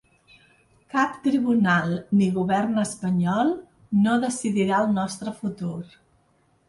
Cap tribunal ni govern espanyol no decidirà el nostre futur.